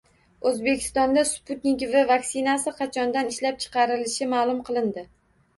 O‘zbekistonda “Sputnik V” vaksinasi qachondan ishlab chiqarilishi ma’lum qilindi